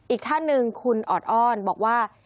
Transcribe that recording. อีกท่านหนึ่งคุณออดอ้อนบอกว่า